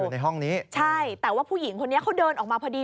ในห้องนี้ใช่แต่ว่าผู้หญิงคนนี้เขาเดินออกมาพอดี